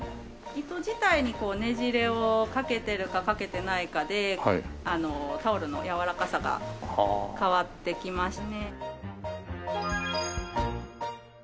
糸自体にねじれをかけてるかかけてないかでタオルの柔らかさが変わってきますね。